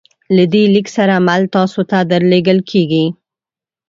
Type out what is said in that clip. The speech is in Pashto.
له دې لیک سره مل تاسو ته درلیږل کیږي